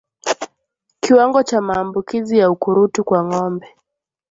Kiwango cha maambukizi ya ukurutu kwa ngombe